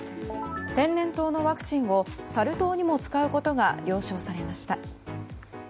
天然痘のワクチンをサル痘にも使うことが了承されました。